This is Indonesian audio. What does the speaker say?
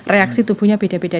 reaksi tubuhnya beda beda